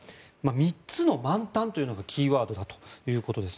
３つの満タンというのがキーワードだということです。